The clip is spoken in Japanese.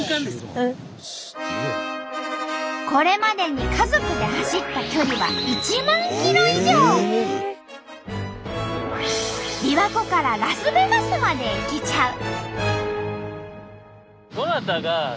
これまでに家族で走った距離はびわ湖からラスベガスまで行けちゃう。